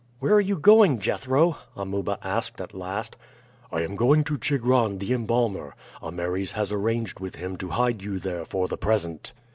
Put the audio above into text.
"Where are you going, Jethro?" Amuba asked at last. "I am going to Chigron, the embalmer. Ameres has arranged with him to hide you there for the present."